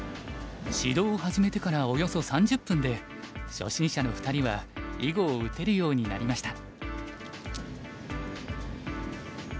指導を始めてからおよそ３０分で初心者の２人は囲碁を打てるようになりました。